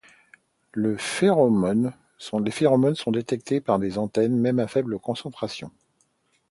Les phéromones sont détectées par les antennes, même à faible concentration.